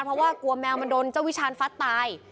เพราะว่ากลัวแมวมันโดนเจ้าวิชาณฟัดตาย